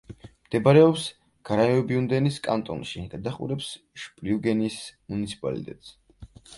მდებარეობს გრაუბიუნდენის კანტონში; გადაჰყურებს შპლიუგენის მუნიციპალიტეტს.